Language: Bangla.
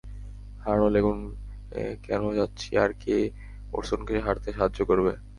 হারানো লেগুনে কেন যাচ্ছি আর কে ওরসনকে হারাতে সাহায্য করবে?